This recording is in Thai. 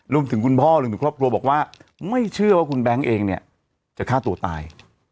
คุณพ่อรวมถึงครอบครัวบอกว่าไม่เชื่อว่าคุณแบงค์เองเนี่ยจะฆ่าตัวตาย